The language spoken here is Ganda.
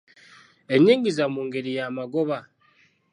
Ennyingiza mu ngeri y'amagoba.